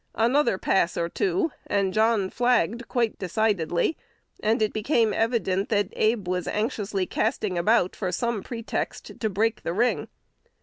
Another pass or two, and John flagged quite decidedly, and it became evident that Abe was anxiously casting about for some pretext to break the ring.